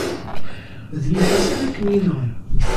D nnḥas ara kem-inɣen.